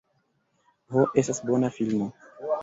"Ho, estas bona filmo."